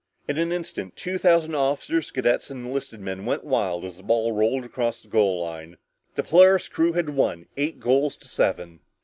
In an instant, two thousand officers, cadets and enlisted men went wild as the ball rolled across the goal line. The Polaris crew had won eight goals to seven!